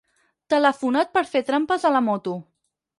Telefonat per fer trampes a la moto.